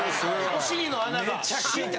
お尻の穴が。